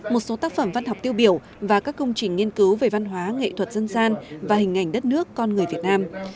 một số tác phẩm văn học tiêu biểu và các công trình nghiên cứu về văn hóa nghệ thuật dân gian và hình ảnh đất nước con người việt nam